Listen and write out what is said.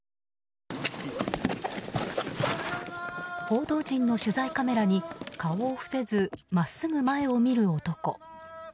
報道陣の取材カメラに顔を伏せず、真っすぐ前を見る男。